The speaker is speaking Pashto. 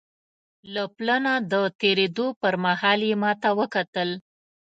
له پله نه د تېرېدو پر مهال یې ما ته کتل.